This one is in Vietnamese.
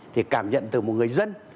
thì cảm nhận từ một người dân